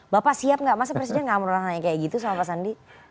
bapak siap gak masa presiden nggak pernah nanya kayak gitu sama pak sandi